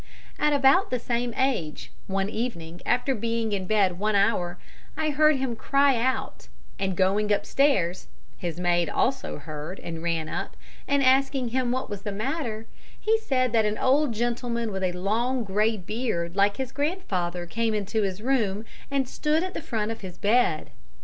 At about the same age, one evening after being in bed one hour, I heard him cry out, and going upstairs (his maid also heard and ran up) and asking him what was the matter, he said that an old gentleman with a long grey beard like his grandfather came into his room, and stood at the front of his bed.